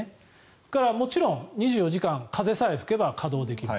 それから、もちろん２４時間風さえ吹けば稼働できる。